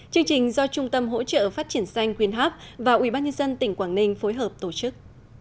chương trình do trung tâm hỗ trợ phát triển xanh khuyên hấp và ubnd tỉnh quảng ninh phối hợp tổ chức